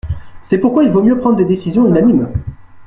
C’est pourquoi il vaut mieux prendre des décisions unanimes.